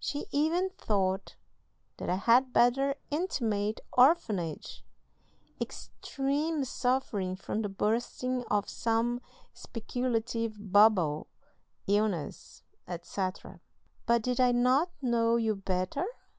She even thought that I had better intimate orphanage, extreme suffering from the bursting of some speculative bubble, illness, etc.; but did I not know you better?